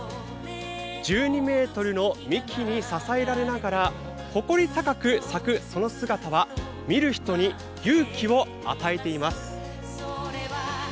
１２ｍの幹に支えられながら誇り高く咲く姿は見る人に勇気を与えています。